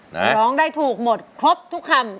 ร้องได้ถูกหมดครบทุกคำ